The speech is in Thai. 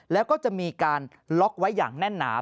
แล้วก็จะมีการล็อกไว้อย่างแน่นหนา